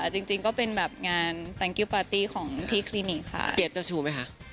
จริงจริงก็เป็นแบบงานของพี่คลินิกค่ะเกรดจะชูไหมคะ